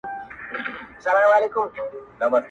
غلیم کور په کور حلوا وېشل پښتونه,